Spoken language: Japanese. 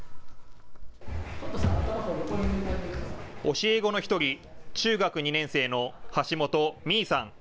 教え子の１人、中学２年生の橋本実依さん。